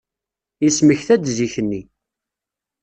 Yesmekta-d zik-nni.